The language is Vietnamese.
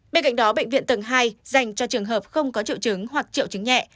bên cạnh đó bệnh viện tầng hai dành cho trường hợp không có triệu chứng hoặc triệu chứng nhẹ